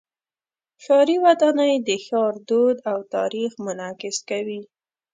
ښاري ودانۍ د ښار دود او تاریخ منعکس کوي.